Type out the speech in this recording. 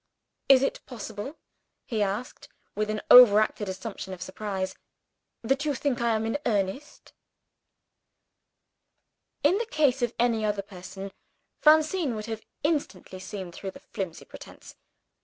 "Is it possible," he asked, with an overacted assumption of surprise, "that you think I am in earnest?" In the case of any other person, Francine would have instantly seen through that flimsy pretense.